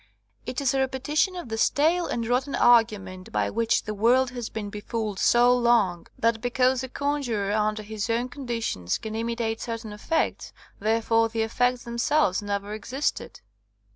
It is a repetition of the stale and rotten argu ment by which the world has been befooled 72 \ RECEPTION OF THE FIRST PHOTOGRAPHS SO long, that because a conjurer under Ms own conditions can imitate certain effects, therefore the effects themselves never ex isted.